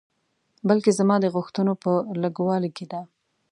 بلکې زما د غوښتنو په لږوالي کې ده.